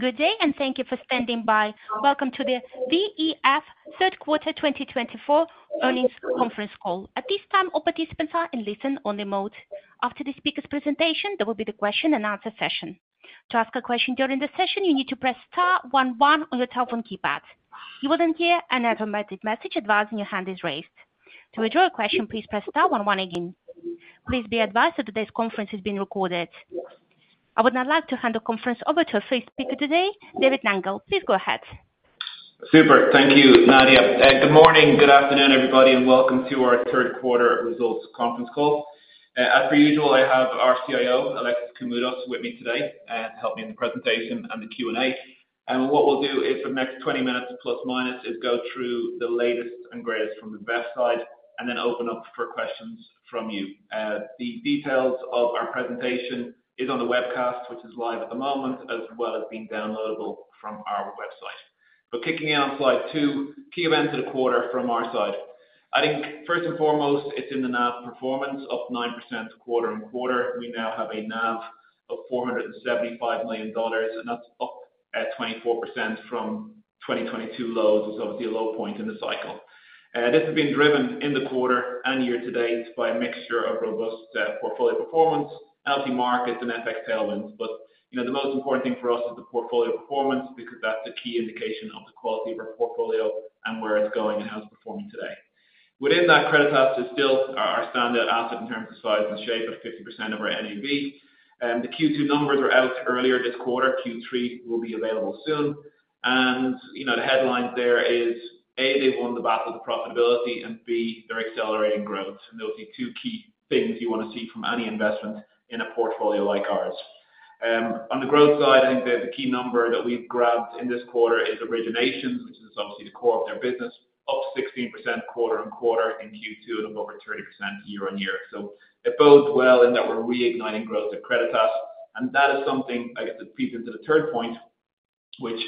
Good day, and thank you for standing by. Welcome to the VEF Q3 twenty twenty-four earnings conference call. At this time, all participants are in listen only mode. After the speaker's presentation, there will be the question and answer session. To ask a question during the session, you need to press star one one on your telephone keypad. You will then hear an automatic message advising your hand is raised. To withdraw your question, please press star one one again. Please be advised that today's conference is being recorded. I would now like to hand the conference over to our first speaker today, David Nangle. Please go ahead. Super. Thank you, Nadia. Good morning, good afternoon, everybody, and welcome to our Q3 results conference call. As per usual, I have our CIO, Alexis Koumoudos, with me today, to help me in the presentation and the Q&A. What we'll do is for the next 20 minutes, plus minus, go through the latest and greatest from the VEF side, and then open up for questions from you. The details of our presentation is on the webcast, which is live at the moment, as well as being downloadable from our website. But kicking out slide two, key events of the quarter from our side. I think first and foremost, it's in the NAV performance, up 9% quarter-on-quarter. We now have a NAV of $475 million, and that's up 24% from twenty twenty-two lows. It's obviously a low point in the cycle. This has been driven in the quarter and year to date by a mixture of robust portfolio performance, healthy markets and FX tailwinds, but you know, the most important thing for us is the portfolio performance, because that's the key indication of the quality of our portfolio and where it's going and how it's performing today. Within that, Creditas is still our standard asset in terms of size and shape of 50% of our NAV, the Q2 numbers were out earlier this quarter. Q3 will be available soon, and you know, the headlines there is, A, they've won the battle with profitability, and B, they're accelerating growth. And those are two key things you want to see from any investment in a portfolio like ours. On the growth side, I think the key number that we've grabbed in this quarter is originations, which is obviously the core of their business, up 16% quarter-on-quarter in Q2, and up over 30% year-on-year. So it bodes well in that we're reigniting growth at Creditas, and that is something I guess that feeds into the third point, which,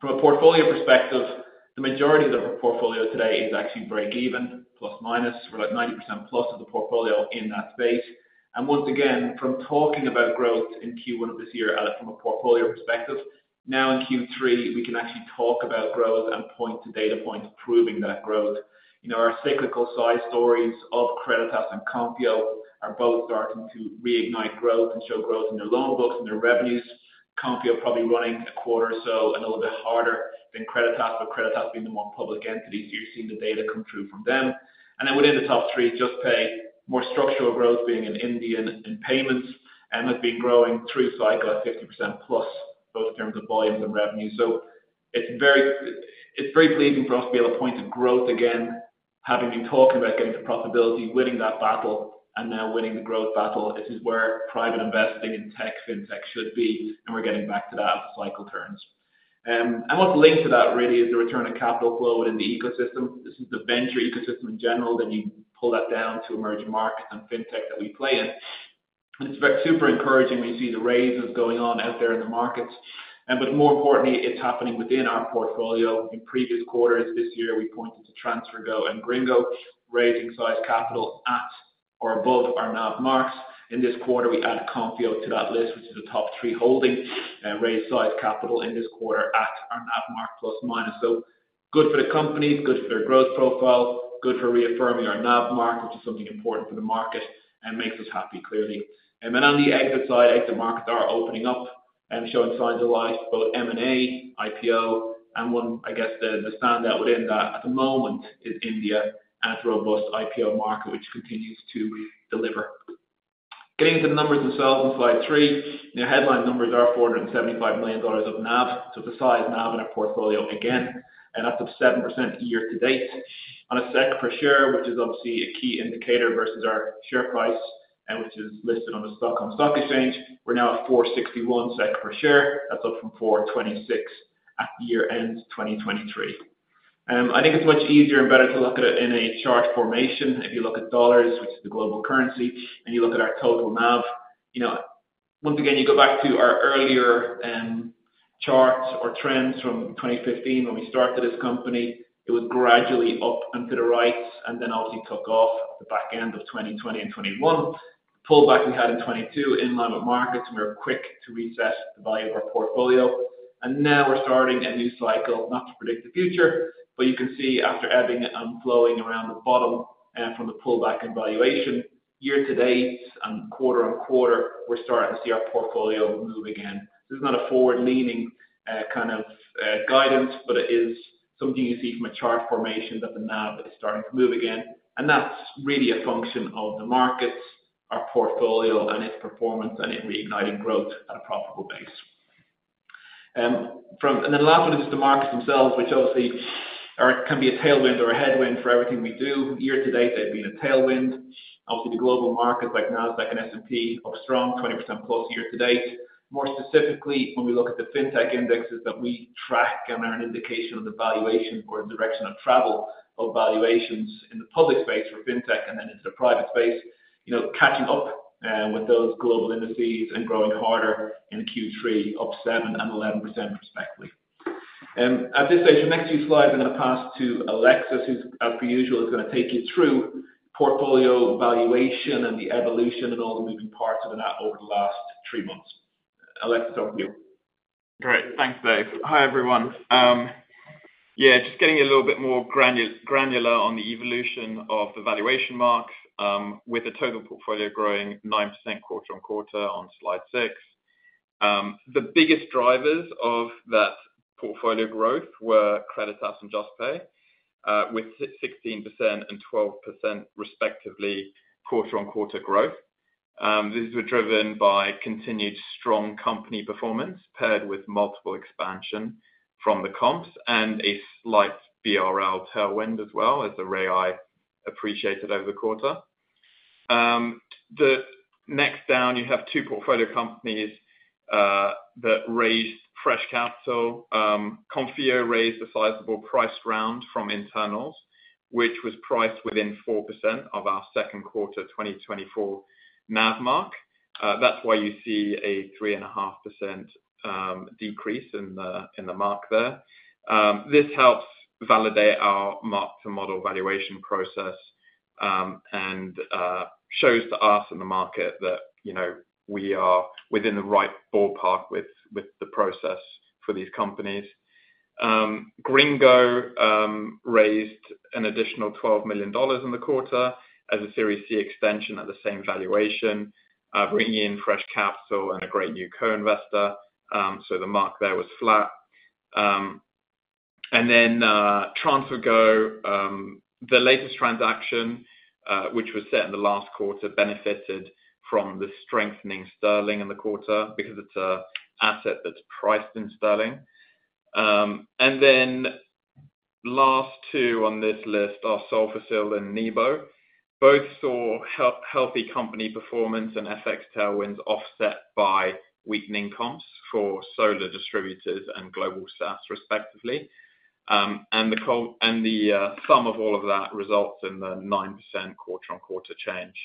from a portfolio perspective, the majority of our portfolio today is actually breakeven, plus minus. We're at 90%+ of the portfolio in that space. Once again, from talking about growth in Q1 of this year, and from a portfolio perspective, now in Q3, we can actually talk about growth and point to data points proving that growth. You know, our cyclical side stories of Creditas and Konfio are both starting to reignite growth and show growth in their loan books and their revenues. Konfio probably running a quarter or so and a little bit harder than Creditas, but Creditas being the more public entity, so you're seeing the data come through from them. And then within the top three, Juspay more structural growth being in India and in payments, and has been growing through cycle at 50% plus, both in terms of volumes and revenue. So it's very... It's very pleasing for us to be able to point to growth again, having been talking about getting to profitability, winning that battle and now winning the growth battle. This is where private investing in tech, fintech should be, and we're getting back to that as the cycle turns. And what's linked to that really is the return of capital flow within the ecosystem. This is the venture ecosystem in general, then you pull that down to emerging markets and fintech that we play in. And it's very super encouraging when you see the raises going on out there in the markets. But more importantly, it's happening within our portfolio. In previous quarters this year, we pointed to TransferGo and Gringo, raising sized capital at or above our NAV marks. In this quarter, we add Konfio to that list, which is a top three holding, raise sized capital in this quarter at our NAV mark, plus or minus. So good for the companies, good for their growth profile, good for reaffirming our NAV mark, which is something important for the market and makes us happy, clearly. And then on the exit side, exit markets are opening up and showing signs of life, both M&A, IPO, and one, I guess, the standout within that at the moment is India and its robust IPO market, which continues to deliver. Getting to the numbers themselves in slide three. The headline numbers are $475 million of NAV, so it's a sizable NAV in our portfolio again, and up 7% year to date. On a SEK per share, which is obviously a key indicator versus our share price and which is listed on the Stockholm Stock Exchange, we're now at 461 SEK per share. That's up from 426 at year-end twenty twenty-three. I think it's much easier and better to look at it in a chart formation. If you look at dollars, which is the global currency, and you look at our total NAV, you know, once again, you go back to our earlier, charts or trends from 2015 when we started this company, it was gradually up and to the right, and then obviously took off at the back end of twenty twenty andtwenty twenty-one. Pullback we had in twenty twenty-two in line with markets, and we were quick to reassess the value of our portfolio, and now we're starting a new cycle not to predict the future, but you can see after ebbing and flowing around the bottom, from the pullback in valuation, year to date and quarter-on-quarter, we're starting to see our portfolio move again. This is not a forward-leaning kind of guidance, but it is something you see from a chart formation that the NAV is starting to move again. And that's really a function of the markets, our portfolio, and its performance, and it reigniting growth at a profitable base. And then last one is the markets themselves, which obviously can be a tailwind or a headwind for everything we do. Year to date, they've been a tailwind. Obviously, the global market like Nasdaq and S&P are strong, 20%+ year to date. More specifically, when we look at the fintech indexes that we track and are an indication of the valuation or the direction of travel of valuations in the public space for fintech, and then into the private space, you know, catching up with those global indices and growing harder in Q3, up 7% and 11% respectively. And at this stage, the next few slides are gonna pass to Alexis, who's per usual, is gonna take you through portfolio valuation and the evolution and all the moving parts of the NAV over the last three months. Alexis, over to you. Great. Thanks, Dave. Hi, everyone. Yeah, just getting a little bit more granular on the evolution of the valuation marks, with the total portfolio growing 9% quarter-on-quarter on slide six. The biggest drivers of that portfolio growth were Creditas and Juspay, with 16% and 12% respectively, quarter-on-quarter growth. These were driven by continued strong company performance, paired with multiple expansion from the comps and a slight BRL tailwind as well, as the real appreciated over the quarter. The next down, you have two portfolio companies, that raised fresh capital. Konfio raised a sizable priced round from internals, which was priced within 4% of our Q2 twenty twenty-four NAV mark. That's why you see a 3.5%, decrease in the, in the mark there. This helps validate our mark-to-model valuation process, and shows to us in the market that, you know, we are within the right ballpark with the process for these companies. Gringo raised an additional $12 million in the quarter as a Series C extension at the same valuation, bringing in fresh capital and a great new co-investor. So the mark there was flat. And then TransferGo, the latest transaction, which was set in the last quarter, benefited from the strengthening sterling in the quarter because it's an asset that's priced in sterling. And then last two on this list are Solfácil and Nibo. Both saw healthy company performance and FX tailwinds offset by weakening comps for solar distributors and global SaaS, respectively. The sum of all of that results in the 9% quarter-on-quarter change.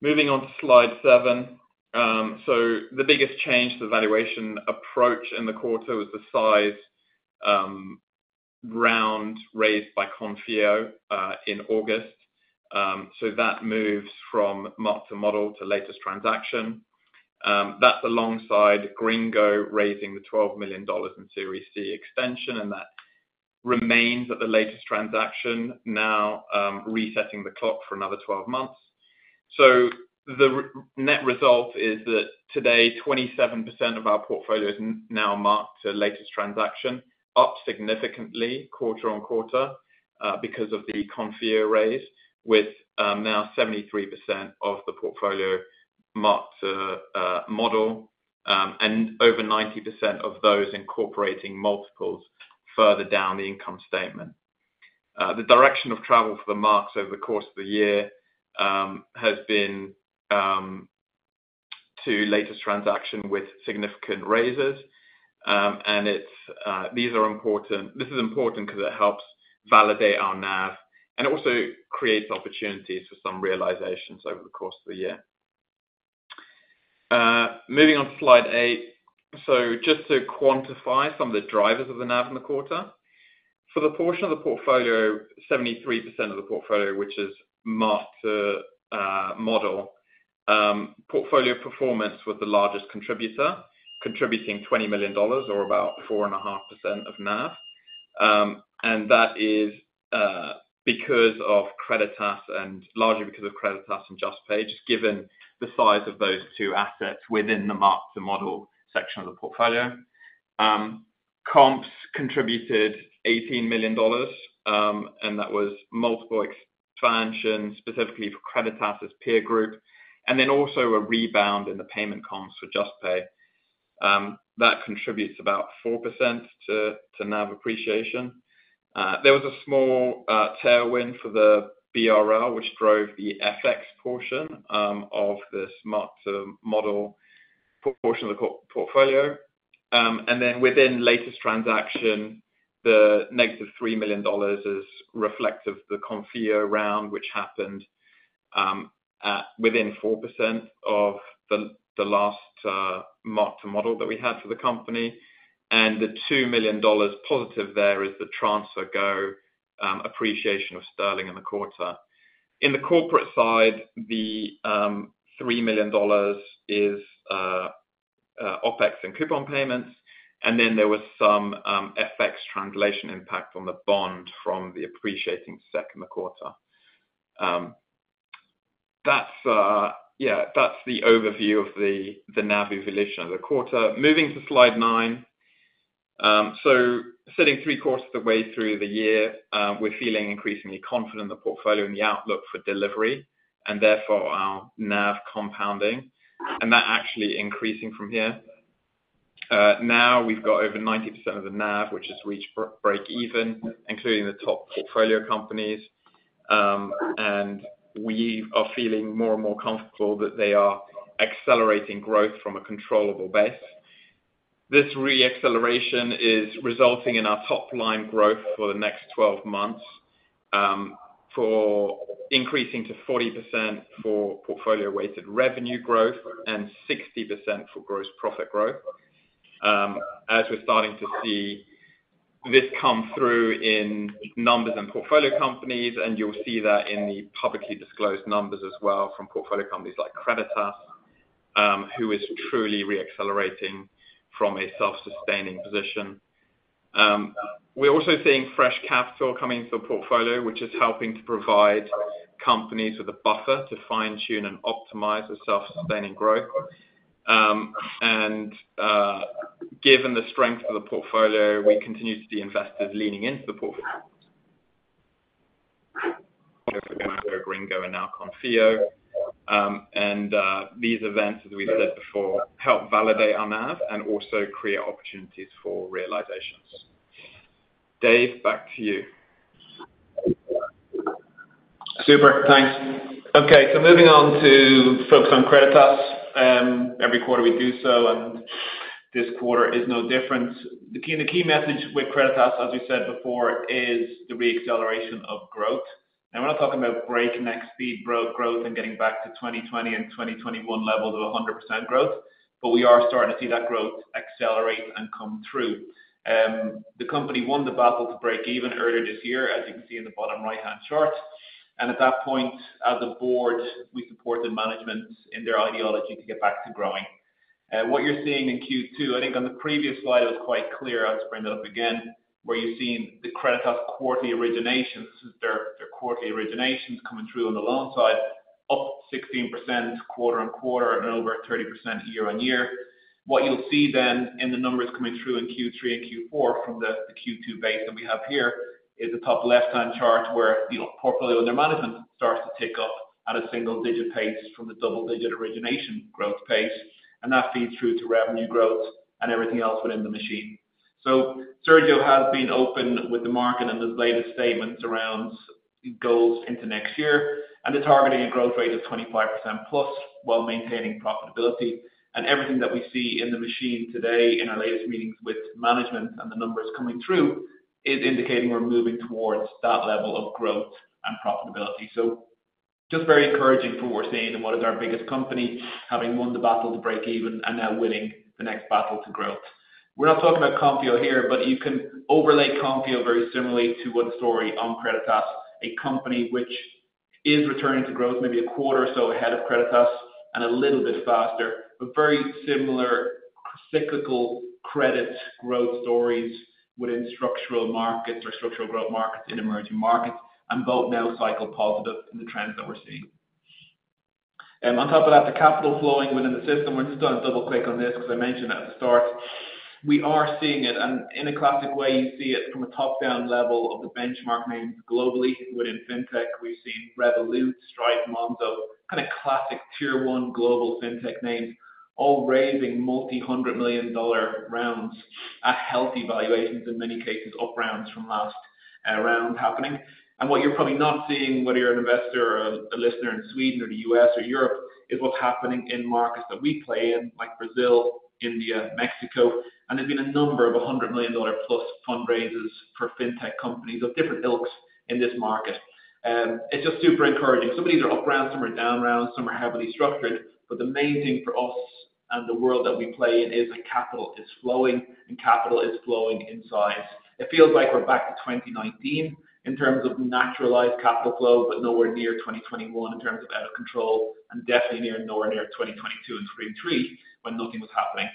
Moving on to slide seven. The biggest change to the valuation approach in the quarter was the size round raised by Konfio in August. That moves from mark-to-model to latest-transaction. That's alongside Gringo raising the $12 million in Series C extension, and that remains at the latest-transaction now, resetting the clock for another 12 months. The net result is that today, 27% of our portfolio is now marked to latest-transaction, up significantly quarter-on-quarter, because of the Konfio raise, with now 73% of the portfolio marked to model, and over 90% of those incorporating multiples further down the income statement. The direction of travel for the marks over the course of the year has been mark-to-latest-transaction with significant raises. It's important because it helps validate our NAV, and it also creates opportunities for some realizations over the course of the year. Moving on to slide eight. So just to quantify some of the drivers of the NAV in the quarter. For the portion of the portfolio, 73% of the portfolio, which is marked to model, portfolio performance was the largest contributor, contributing $20 million or about 4.5% of NAV. That is because of Creditas and largely because of Creditas and Juspay, just given the size of those two assets within the mark-to-model section of the portfolio. Comps contributed $18 million, and that was multiple expansion, specifically for Creditas' peer group, and then also a rebound in the payment comps for Juspay. That contributes about 4% to NAV appreciation. There was a small tailwind for the BRL, which drove the FX portion of this mark-to-model portion of the portfolio, and then within the latest transaction, the -$3 million is reflective of the Konfio round, which happened at within 4% of the last mark-to-model that we had for the company, and the $2 million positive there is the TransferGo appreciation of sterling in the quarter. In the corporate side, the $3 million is OpEx and coupon payments, and then there was some FX translation impact on the bond from the appreciating Q2. That's, yeah, that's the overview of the NAV evolution of the quarter. Moving to slide nine, so sitting three quarters of the way through the year, we're feeling increasingly confident in the portfolio and the outlook for delivery, and therefore our NAV compounding, and that actually increasing from here. Now we've got over 90% of the NAV, which has reached break even, including the top portfolio companies, and we are feeling more and more comfortable that they are accelerating growth from a controllable base. This re-acceleration is resulting in our top line growth for the next twelve months for increasing to 40% for portfolio weighted revenue growth and 60% for gross profit growth. As we're starting to see this come through in numbers and portfolio companies, and you'll see that in the publicly disclosed numbers as well from portfolio companies like Creditas, who is truly reaccelerating from a self-sustaining position. We're also seeing fresh capital coming into the portfolio, which is helping to provide companies with a buffer to fine-tune and optimize for self-sustaining growth, and given the strength of the portfolio, we continue to see investors leaning into the portfolio. Gringo and now Konfio, and these events, as we said before, help validate our NAV and also create opportunities for realizations. Dave, back to you. Super. Thanks. Okay, so moving on to focus on Creditas. Every quarter we do so, and this quarter is no different. The key message with Creditas, as we said before, is the reacceleration of growth. We're not talking about breakneck speed growth and getting back to twenty twenty and twenty twenty-one levels of 100% growth, but we are starting to see that growth accelerate and come through. The company won the battle to break even earlier this year, as you can see in the bottom right-hand chart. At that point, as a board, we supported management in their ideology to get back to growing. What you're seeing in Q2, I think on the previous slide, it was quite clear. I'll just bring it up again, where you're seeing the Creditas quarterly originations. This is their quarterly originations coming through on the loan side, up 16% quarter-on-quarter and over 30% year-on-year. What you'll see then in the numbers coming through in Q3 and Q4 from the Q2 base that we have here, is the top left-hand chart, where, you know, portfolio under management starts to tick up at a single digit pace from the double digit origination growth pace, and that feeds through to revenue growth and everything else within the machine. So Sergio has been open with the market and his latest statements around goals into next year, and they're targeting a growth rate of 25%+, while maintaining profitability. And everything that we see in the machine today in our latest meetings with management and the numbers coming through, is indicating we're moving towards that level of growth and profitability. Just very encouraging for what we're seeing in what is our biggest company, having won the battle to break even and now winning the next battle to growth. We're not talking about Konfio here, but you can overlay Konfio very similarly to one story on Creditas, a company which is returning to growth maybe a quarter or so ahead of Creditas and a little bit faster, but very similar cyclical credit growth stories within structural markets or structural growth markets in emerging markets, and both now cycle positive in the trends that we're seeing. On top of that, the capital flowing within the system, we're just going to double click on this because I mentioned it at the start. We are seeing it, and in a classic way, you see it from a top-down level of the benchmark names globally. Within Fintech, we've seen Revolut, Stripe, Monzo, kind of classic tier one global Fintech names, all raising multi-hundred million dollar rounds at healthy valuations, in many cases, up rounds from last round happening. And what you're probably not seeing, whether you're an investor or a listener in Sweden or the U.S. or Europe, is what's happening in markets that we play in, like Brazil, India, Mexico, and there's been a number of hundred million dollar + fundraises for Fintech companies of different ilks in this market. It's just super encouraging. Some of these are up rounds, some are down rounds, some are heavily structured, but the main thing for us and the world that we play in is that capital is flowing, and capital is flowing in size. It feels like we're back to twenty nineteen in terms of normalized capital flow, but nowhere near twenty twenty-one in terms of out of control, and definitely nowhere near twenty twenty-two and twenty twenty-three, when nothing was happening.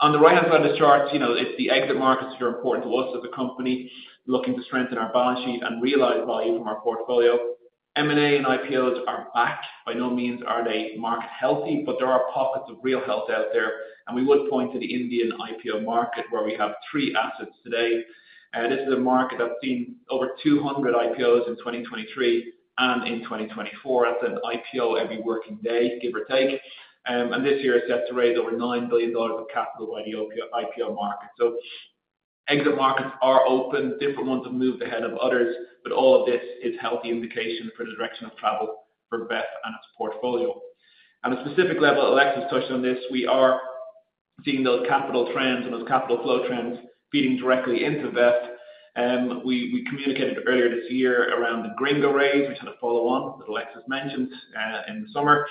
On the right-hand side of the chart, you know, it's the exit markets that are important to us as a company, looking to strengthen our balance sheet and realize value from our portfolio. M&A and IPOs are back. By no means are the markets healthy, but there are pockets of real health out there, and we would point to the Indian IPO market, where we have three assets today. This is a market that's seen over 200 IPOs in twenty twenty-three and in twenty twenty-four. That's an IPO every working day, give or take. And this year, it's set to raise over $9 billion of capital by the IPO market. So exit markets are open, different ones have moved ahead of others, but all of this is healthy indication for the direction of travel for Vef and its portfolio. On a specific level, Alexis touched on this, we are seeing those capital trends and those capital flow trends feeding directly into Vef. We communicated earlier this year around the Gringo raise, which had a follow on, that Alexis mentioned, in the summer,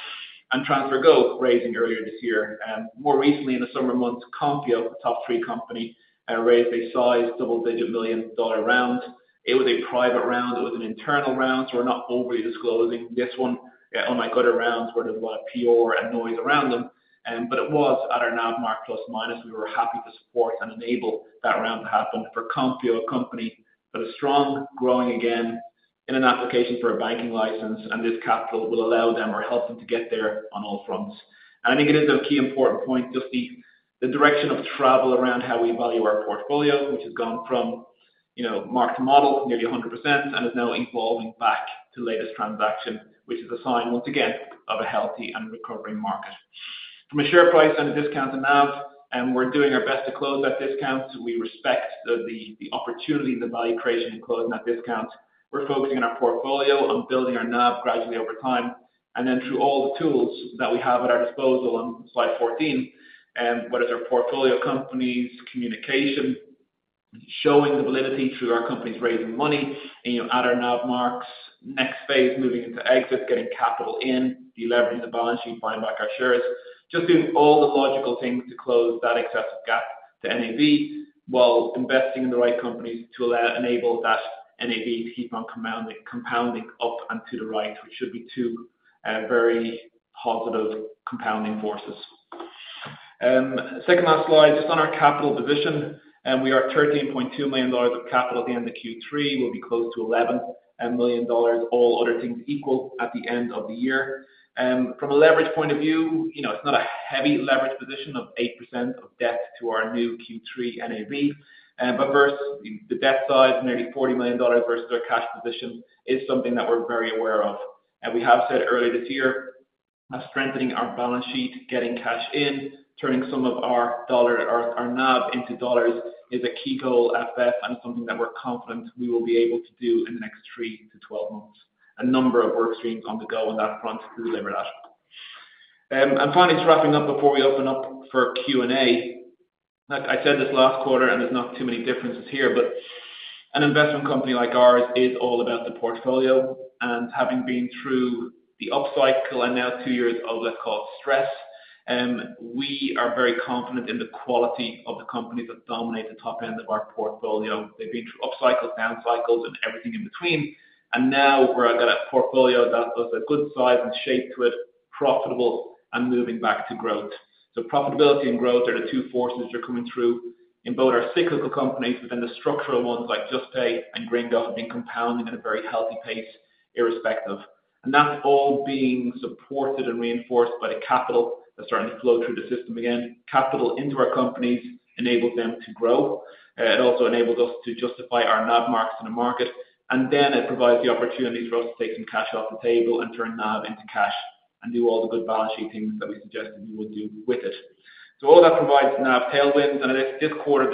and TransferGo raising earlier this year. More recently, in the summer months, Konfio, a top three company, raised a sized double-digit million dollar round. It was a private round, it was an internal round, so we're not overly disclosing this one. All my good rounds where there's a lot of PR and noise around them, but it was at our NAV mark, plus or minus. We were happy to support and enable that round to happen for Konfio, a company that is strong, growing again, in an application for a banking license, and this capital will allow them or help them to get there on all fronts. I think it is a key important point, just the direction of travel around how we value our portfolio, which has gone from, you know, mark-to-model to nearly 100% and is now evolving back to the latest transaction, which is a sign, once again, of a healthy and recovering market. From a share price and a discount to NAV, we're doing our best to close that discount. We respect the opportunity and the value creation in closing that discount. We're focusing on our portfolio and building our NAV gradually over time... and then through all the tools that we have at our disposal, on slide 14, whether they're portfolio companies, communication, showing the validity through our companies, raising money, and, you know, at our NAV marks, next phase, moving into exits, getting capital in, deleveraging the balance sheet, buying back our shares. Just doing all the logical things to close that excessive gap to NAV, while investing in the right companies to allow, enable that NAV to keep on commanding, compounding up and to the right, which should be two very positive compounding forces. Second last slide, just on our capital division, we are at $13.2 million of capital at the end of Q3. We'll be close to $11 million, all other things equal, at the end of the year. From a leverage point of view, you know, it's not a heavy leverage position of 8% of debt to our new Q3 NAV. But versus the debt size, nearly $40 million versus our cash position is something that we're very aware of. We have said earlier this year of strengthening our balance sheet, getting cash in, turning some of our dollar... Our NAV into dollars, is a key goal at VEF and something that we're confident we will be able to do in the next three to twelve months. A number of work streams on the go on that front to deliver that, and finally, just wrapping up before we open up for Q&A. Like I said this last quarter, and there's not too many differences here, but an investment company like ours is all about the portfolio, and having been through the up cycle and now two years of let's call it stress, we are very confident in the quality of the companies that dominate the top end of our portfolio. They've been through up cycles, down cycles, and everything in between, and now we're at a portfolio that has a good size and shape to it, profitable, and moving back to growth. So profitability and growth are the two forces that are coming through in both our cyclical companies, but then the structural ones like Juspay and Gringo have been compounding at a very healthy pace, irrespective. And that's all being supported and reinforced by the capital that's starting to flow through the system again. Capital into our companies enables them to grow. It also enables us to justify our NAV marks in the market, and then it provides the opportunities for us to take some cash off the table and turn NAV into cash, and do all the good balance sheet things that we suggested we would do with it. So all that provides NAV tailwinds, and this quarter,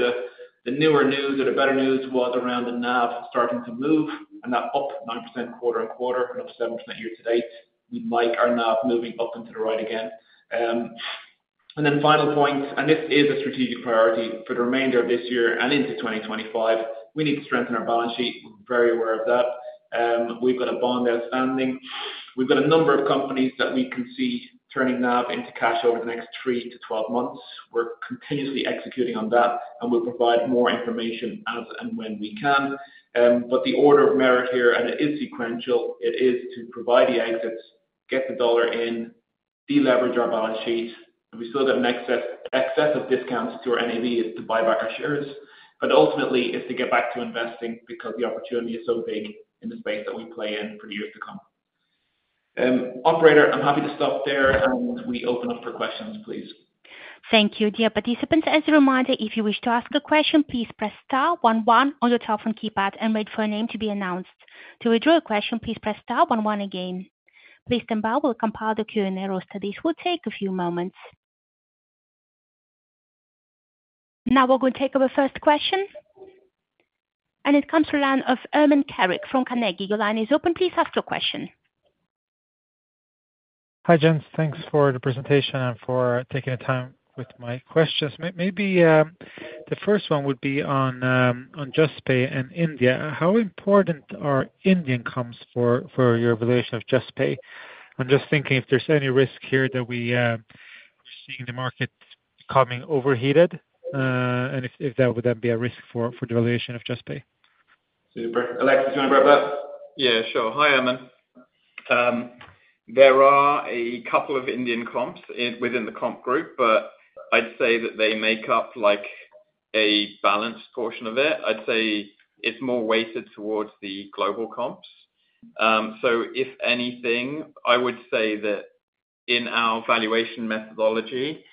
the newer news or the better news was around the NAV starting to move, and that up 9% quarter-on-quarter, and up 7% year to date. We like our NAV moving up into the right again. And then final point, and this is a strategic priority for the remainder of this year and into twenty twenty-five, we need to strengthen our balance sheet. We're very aware of that. We've got a bond outstanding. We've got a number of companies that we can see turning NAV into cash over the next three to 12 months. We're continuously executing on that, and we'll provide more information as and when we can. But the order of merit here, and it is sequential, it is to provide the exits, get the dollar in, deleverage our balance sheet, and we still have an excess, excessive discounts to our NAV is to buy back our shares. But ultimately, it's to get back to investing because the opportunity is so big in the space that we play in for years to come. Operator, I'm happy to stop there, and we open up for questions, please. Thank you. Dear participants, as a reminder, if you wish to ask a question, please press star one one on your telephone keypad and wait for your name to be announced. To withdraw your question, please press star one one again. Please stand by, we'll compile the Q&A roster. This will take a few moments. Now, we're going to take our first question, and it comes from the line of Erman Cankat from Carnegie. Your line is open, please ask your question. Hi, gents. Thanks for the presentation and for taking the time with my questions. Maybe the first one would be on Juspay and India. How important are Indian comps for your valuation of Juspay? I'm just thinking if there's any risk here that we're seeing the market becoming overheated, and if there would then be a risk for the valuation of Juspay. Super. Alex, do you want to grab that? Yeah, sure. Hi, Erman. There are a couple of Indian comps in, within the comp group, but I'd say that they make up like a balanced portion of it. I'd say it's more weighted towards the global comps. So if anything, I would say that in our valuation methodology,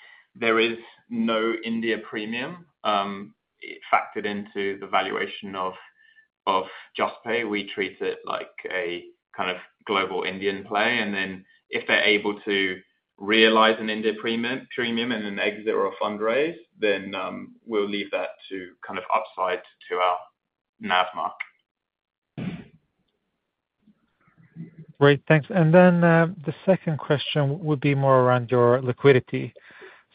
there is no India premium factored into the valuation of Juspay. We treat it like a kind of global Indian play, and then if they're able to realize an India premium in an exit or a fundraise, then we'll leave that to kind of upside to our NAV mark. Great, thanks. And then, the second question would be more around your liquidity.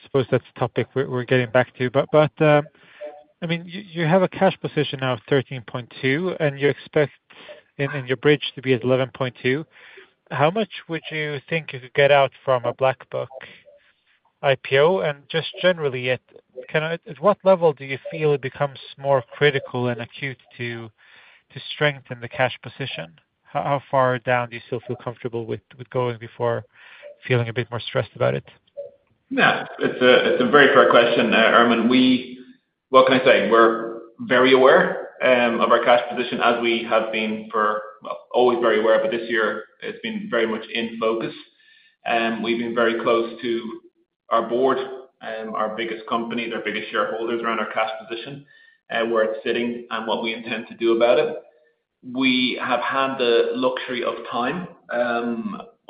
I suppose that's a topic we're getting back to, but, I mean, you have a cash position now of 13.2, and you expect in your bridge to be at 11.2. How much would you think you could get out from a BlackBuck IPO? And just generally, at what level do you feel it becomes more critical and acute to strengthen the cash position? How far down do you still feel comfortable with going before feeling a bit more stressed about it? Yeah, it's a very fair question, Erman. What can I say? We're very aware of our cash position, as we have been, always very aware, but this year it's been very much in focus. We've been very close to our board, our biggest company, their biggest shareholders, around our cash position, where it's sitting and what we intend to do about it. We have had the luxury of time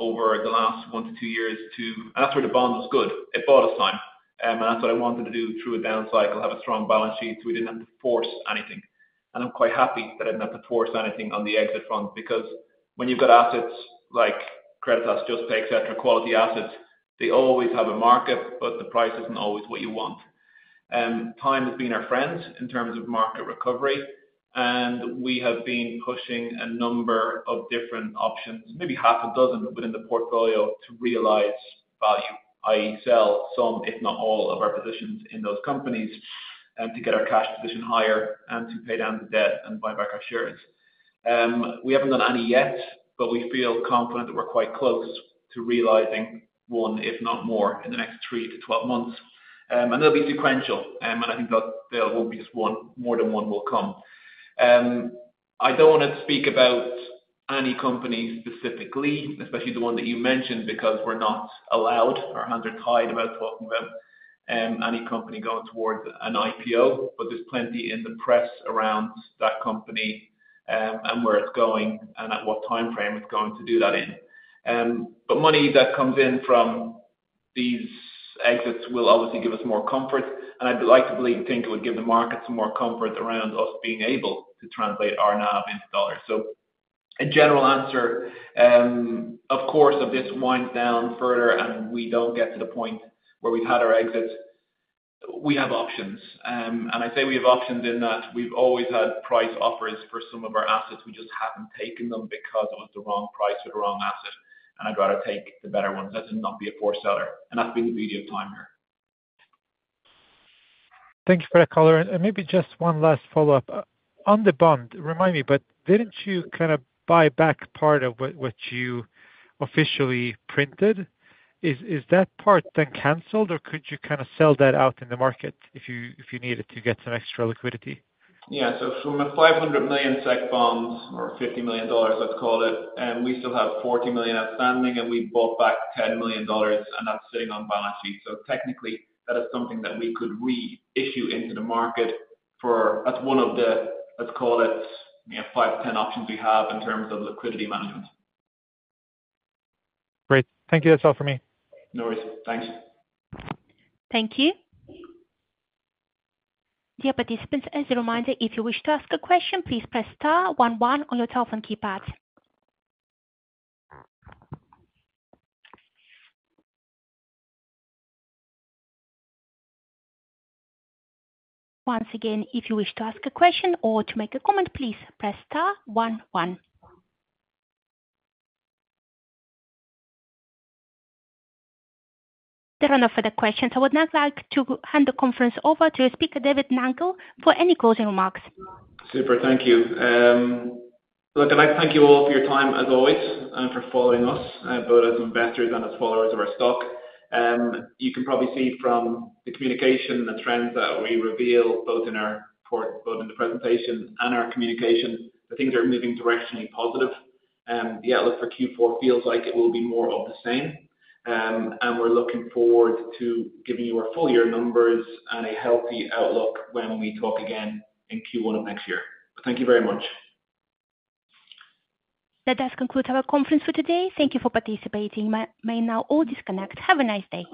over the last one to two years to... and that's where the bond was good. It bought us time, and that's what I wanted to do through a down cycle, have a strong balance sheet, so we didn't have to force anything. And I'm quite happy that I didn't have to force anything on the exit front, because when you've got assets like Creditas, Juspay, et cetera, quality assets, they always have a market, but the price isn't always what you want. Time has been our friend in terms of market recovery, and we have been pushing a number of different options, maybe half a dozen within the portfolio, to realize value, i.e., sell some, if not all, of our positions in those companies, to get our cash position higher and to pay down the debt and buy back our shares. We haven't done any yet, but we feel confident that we're quite close to realizing one, if not more, in the next three to 12 months. And they'll be sequential, and I think that there won't be just one, more than one will come. I don't wanna speak about any company specifically, especially the one that you mentioned, because we're not allowed. Our hands are tied about talking about any company going towards an IPO, but there's plenty in the press around that company, and where it's going, and at what timeframe it's going to do that in, but money that comes in from these exits will obviously give us more comfort, and I'd like to think it would give the market some more comfort around us being able to translate our NAV into dollars, so a general answer, of course, if this winds down further and we don't get to the point where we've had our exits, we have options, and I say we have options in that we've always had price offers for some of our assets. We just haven't taken them because it was the wrong price or the wrong asset, and I'd rather take the better ones and not be a poor seller, and that's been the beauty of time here. Thank you for that color. Maybe just one last follow-up. On the bond, remind me, but didn't you kind of buy back part of what you officially printed? Is that part then canceled, or could you kind of sell that out in the market if you needed to get some extra liquidity? Yeah. So from 500 million SEK bonds, or $50 million, let's call it, we still have $40 million outstanding, and we bought back $10 million, and that's sitting on the balance sheet. So technically, that is something that we could reissue into the market for... That's one of the, let's call it, you know, 5-10 options we have in terms of liquidity management. Great. Thank you. That's all for me. No worries. Thanks. Thank you. Dear participants, as a reminder, if you wish to ask a question, please press star one one on your telephone keypad. Once again, if you wish to ask a question or to make a comment, please press star one one. There are no further questions. I would now like to hand the conference over to our speaker, David Nangle, for any closing remarks. Super. Thank you. Look, I'd like to thank you all for your time, as always, and for following us, both as investors and as followers of our stock. You can probably see from the communication and the trends that we reveal, both in our report, both in the presentation and our communication, that things are moving directionally positive. The outlook for Q4 feels like it will be more of the same, and we're looking forward to giving you our full year numbers and a healthy outlook when we talk again in Q1 of next year. Thank you very much. That does conclude our conference for today. Thank you for participating. You may now all disconnect. Have a nice day.